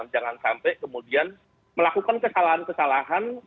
jangan sampai kemudian melakukan kesalahan kesalahan